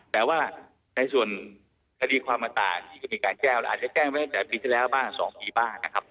แต่ว่าในส่วนคดีความตาที่ก็มีการแจ้วอาจจะแจ้งไว้จากปีที่แล้วบ้างสองปีบ้างนะครับ